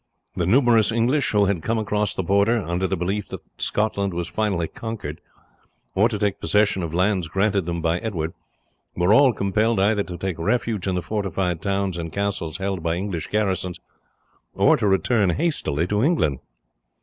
The numerous English who had come across the Border, under the belief that Scotland was finally conquered, or to take possession of lands granted them by Edward, were all compelled either to take refuge in the fortified towns and castles held by English garrisons, or to return hastily to England.